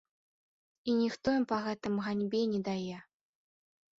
І ніхто ім па гэтым ганьбы не дае.